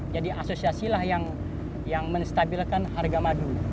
jadi asosiasi lah yang menstabilkan harga madu